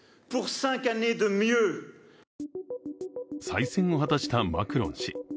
再選を果たしたマクロン氏。